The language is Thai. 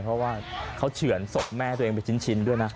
เพราะว่าเขาเฉือนศพแม่ตัวเองไปชิ้นด้วยนะ